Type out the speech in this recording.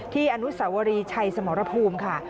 อนุสาวรีชัยสมรภูมิค่ะ